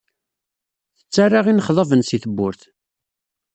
Tettarra inexḍaben si tewwurt.